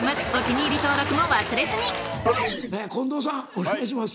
お願いします。